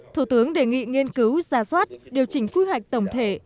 thủ tướng đề nghị nghiên cứu ra soát điều chỉnh quy hoạch tổng thể